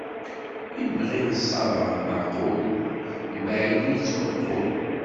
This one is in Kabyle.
Imɣi n ṣṣaba meɛqul, mbaɛid i d-yettmuqul.